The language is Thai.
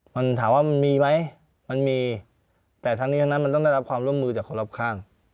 มันถามว่ามันมีไหมมันมีแต่ทั้งนี้ทั้งนั้นมันต้องได้รับความร่วมมือจากคนรอบข้าง